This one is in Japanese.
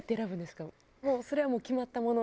それはもう決まったもの？